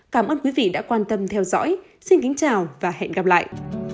cảm ơn quý vị đã quan tâm theo dõi xin kính chào và hẹn gặp lại